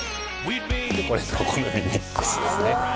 これがお好み焼きミックスですねうわ